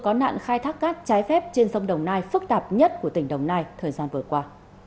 có nạn khai thác cát trái phép trên sông đồng nai phức tạp nhất của tỉnh đồng nai thời gian vừa qua